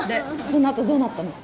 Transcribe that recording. そのあとどうなったの？